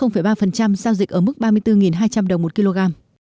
ba giao dịch ở mức ba mươi bốn hai trăm linh đồng một kg